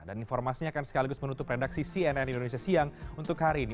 dan informasinya akan sekaligus menutup redaksi cnn indonesia siang untuk hari ini